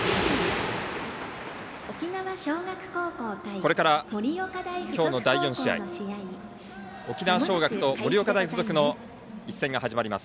これから今日の第４試合沖縄尚学と盛岡大付属の一戦が始まります。